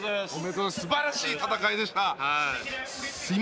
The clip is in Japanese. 素晴らしい戦いでした。